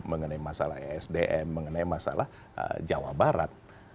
mengenai masalah esdm mengenai masalah jawa barat